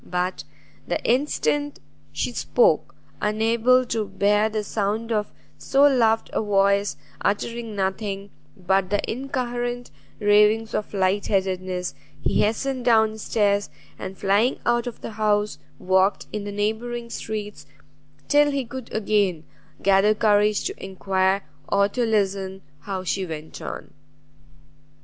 But the instant she spoke, unable to bear the sound of so loved a voice uttering nothing but the incoherent ravings of lightheadedness, he hastened down stairs, and flying out of the house, walked in the neighbouring streets, till he could again gather courage to enquire or to listen how she went on.